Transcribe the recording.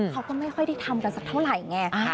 เขาก็ไม่ค่อยได้ทำกันสักเท่าไหร่ไง